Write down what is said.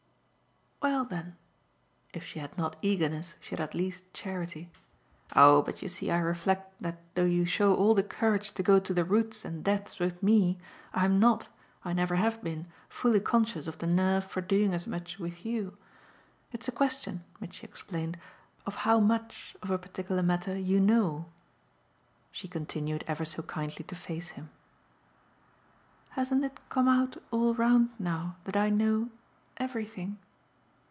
"Well then !" If she had not eagerness she had at least charity. "Oh but you see I reflect that though you show all the courage to go to the roots and depths with ME, I'm not I never have been fully conscious of the nerve for doing as much with you. It's a question," Mitchy explained, "of how much of a particular matter you know." She continued ever so kindly to face him. "Hasn't it come out all round now that I know everything?"